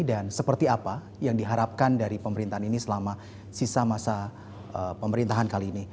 dan seperti apa yang diharapkan dari pemerintahan ini selama sisa masa pemerintahan kali ini